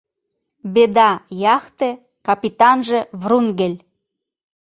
— «Беда» яхте, капитанже — Врунгель.